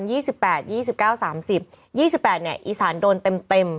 ๒๘เนี่ยอีสานโดนเต็ม